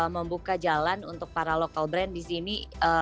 membuka jalan untuk para local brand disini